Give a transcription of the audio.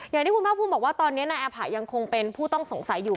อย่างที่คุณภาคภูมิบอกว่าตอนนี้นายอาผะยังคงเป็นผู้ต้องสงสัยอยู่